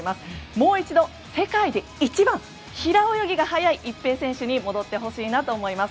もう一度、世界で一番平泳ぎが速い一平選手に戻ってほしいと思います。